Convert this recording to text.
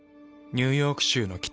ニューヨーク州の北。